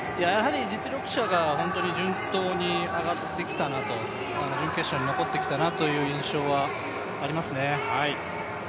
実力者が本当に順当に上がってきたなと、準決勝に残ってきたなという印象はありますね。